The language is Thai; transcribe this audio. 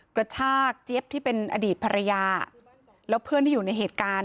กระชากเจี๊ยบที่เป็นอดีตภรรยาแล้วเพื่อนที่อยู่ในเหตุการณ์